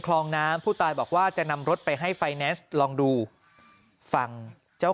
คลองน้ำผู้ตายบอกว่าจะนำรถไปให้ไฟแนนซ์ลองดูฟังเจ้า